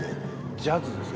ジャズですか？